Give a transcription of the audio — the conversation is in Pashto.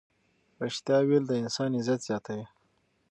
ریښتیا ویل د انسان عزت زیاتوي.